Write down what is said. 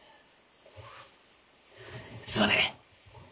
すまねえ。